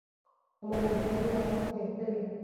امانتداري باور زیاتوي.